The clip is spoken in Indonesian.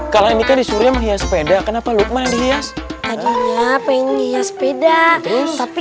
kalau ini tadi surya menghias sepeda kenapa lukman dihias aduh pengen ngihas sepeda tapi